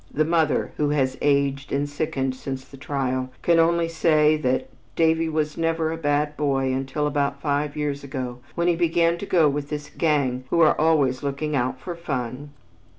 The mother, who has aged and sickened since the trial, can only say that "Davie was never a bad boy until about five years ago when he began to go with this gang who are always looking out for fun."